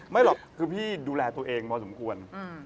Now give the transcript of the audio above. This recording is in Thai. หรอกคือพี่ดูแลตัวเองพอสมควร